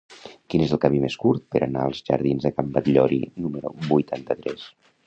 Quin és el camí més curt per anar als jardins de Can Batllori número vuitanta-tres?